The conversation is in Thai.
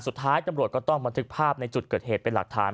สุดท้ายตำรวจก็ต้องบันทึกภาพในจุดเกิดเหตุเป็นหลักฐาน